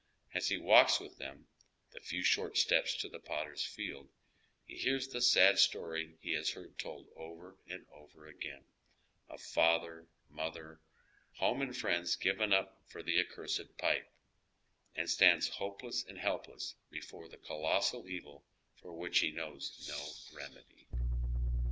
As he walks with them the few short steps to the Potter's Field, he hears the sad stoiy he has heard told over and over again, of father, mother, home and friends given up for the accursed pipe, and stands hopeless and helpless before the colossal evil for which he knows no remedy.